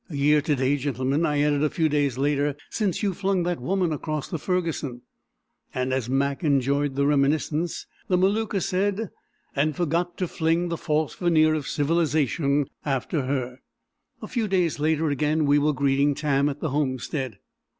"A year to day, gentlemen," I added a few days later, "since you flung that woman across the Fergusson"; and as Mac enjoyed the reminiscence, the Maluka said: "And forgot to fling the false veneer of civilisation after her." A few days later again we were greeting Tam at the homestead.